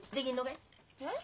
えっ？